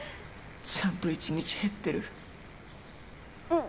ちゃんと１日減ってるん？